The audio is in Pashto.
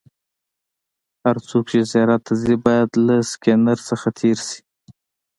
هر څوک چې زیارت ته ځي باید له سکېنر نه تېر شي.